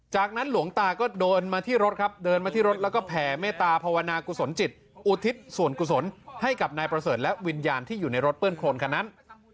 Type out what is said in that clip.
จากนั้นหลวงตาก็เดินมาที่รถครับเดินมาที่รถแล้วก็แผ่เมตตาภาวนากุศลจิตอุทิศส่วนกุศลให้กับนายประเสริฐและวิญญาณที่อยู่ในรถเปื้อนโครนคันนั้น